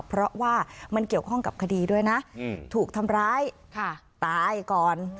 เพราะว่ามันเกี่ยวข้องกับคดีด้วยนะถูกทำร้ายตายก่อน